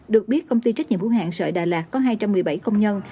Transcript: được biết công ty trách nhiệm hữu hạng sợi đà lạt có hai trăm một mươi bảy công nhân